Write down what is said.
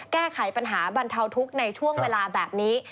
แก้ไขปัญหาบรรเทาทุกข์ในช่วงเวลาแบบนี้